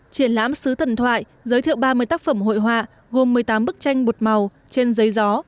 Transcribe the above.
triển lãm xứ thần thoại giới thiệu ba mươi tác phẩm hội họa gồm một mươi tám bức tranh bột màu trên giấy gió